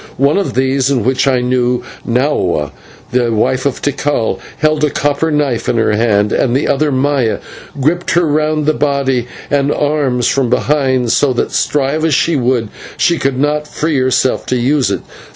One of these in whom I knew Nahua, the wife of Tikal held a copper knife in her hand, and the other, Maya, gripped her round the body and arms from behind, so that, strive as she would, she could not free herself to use it.